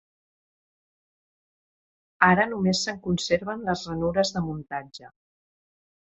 Ara només se'n conserven les ranures de muntatge.